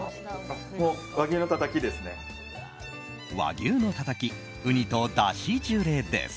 和牛のたたきウニと出汁ジュレです。